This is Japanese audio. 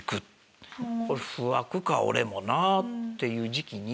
不惑か俺もなっていう時期に。